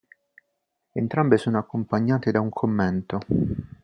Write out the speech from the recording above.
Entrambe sono accompagnate da un commento.